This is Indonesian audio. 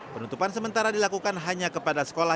penutupan sementara dilakukan hanya kepada sekolah